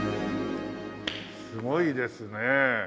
すごいですね。